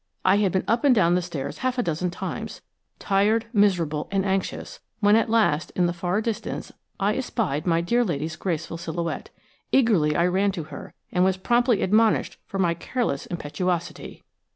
I had been up and down the stairs half a dozen times, tired, miserable, and anxious, when at last, in the far distance, I espied my dear lady's graceful silhouette. Eagerly I ran to her, and was promptly admonished for my careless impetuosity.